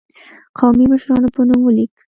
قومي مشرانو په نوم ولیک.